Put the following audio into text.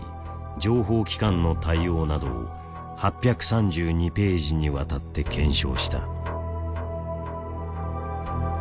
情報機関の対応などを８３２ページにわたって検証した。